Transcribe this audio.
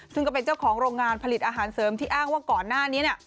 ซึ่งก็เป็นเจ้าของโรงงานผลิตอาหารเสริมที่อ้างว่าก่อนหน้านี้